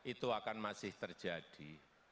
itu akan masih terjadi